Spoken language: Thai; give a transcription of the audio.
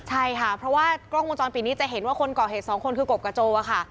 ใช่ค่ะเพราะว่ากล้องวงจรปิดนี้จะเห็นว่าคนก่อเหตุสองคนคือกบกระโจอะค่ะ